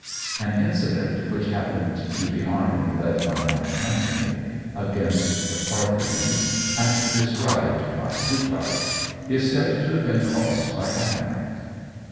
An incident which happened to the army led by Mark Antony against the Parthians, and described by Plutarch, is said to have been caused by aconite.